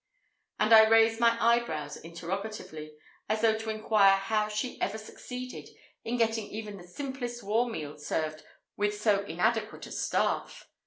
—and I raised my eyebrows interrogatively, as though to inquire how she ever succeeded in getting even the simplest war meal served with so inadequate a staff!